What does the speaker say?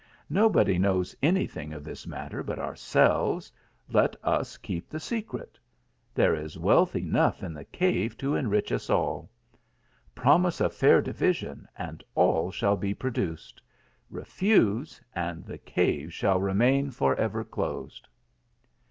Nobody knows any thing of this matter but ourselves ; let us keep the secret. There is wealth enough in the cave to enrich us all. Promise a fair division, and all shall be produced ; refuse, and the cave shall remain lor ever closed.